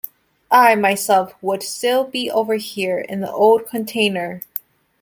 I myself would still be over here in the old container.